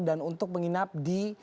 dan untuk menginap di